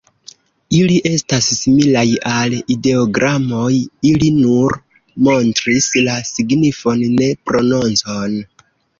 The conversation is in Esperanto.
Ili estas similaj al ideogramoj: ili nur montris la signifon, ne prononcon.